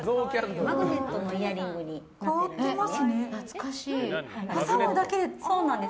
マグネットのイヤリングになっています。